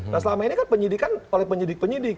nah selama ini kan penyidikan oleh penyidik penyidik